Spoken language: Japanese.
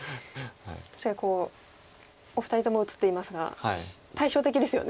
確かにお二人とも映っていますが対照的ですよね。